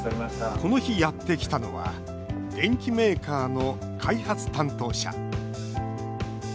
この日やってきたのは電機メーカーの開発担当者。